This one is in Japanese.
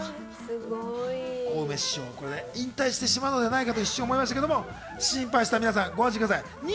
引退してしまうのではないかと一瞬思いましたけど心配した皆さんご安心ください。